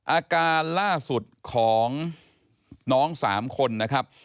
อาการล่าสุดของน้อง๓คนนะครับ